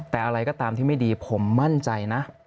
แต่อะไรก็ตามที่ไม่ดีผมมั่นใจนะ